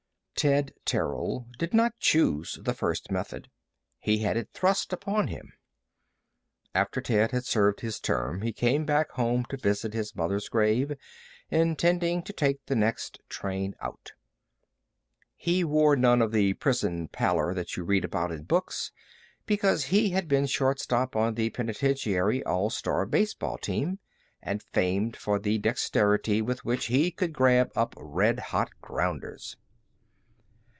Ted Terrill did not choose the first method. He had it thrust upon him. After Ted had served his term he came back home to visit his mother's grave, intending to take the next train out. He wore none of the prison pallor that you read about in books, because he had been shortstop on the penitentiary all star baseball team, and famed for the dexterity with which he could grab up red hot grounders.